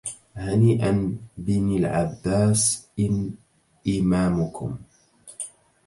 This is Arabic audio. هنيئا بني العباس إن إمامكم